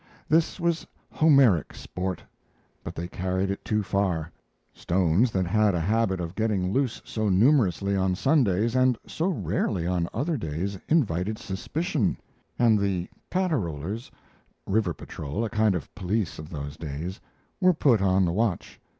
This was Homeric sport, but they carried it too far. Stones that had a habit of getting loose so numerously on Sundays and so rarely on other days invited suspicion, and the "Patterollers" (river patrol a kind of police of those days) were put on the watch.